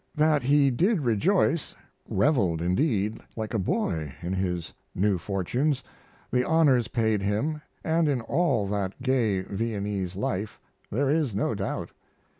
That he did rejoice reveled indeed like a boy in his new fortunes, the honors paid him, and in all that gay Viennese life there is no doubt.